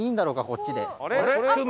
こっちで。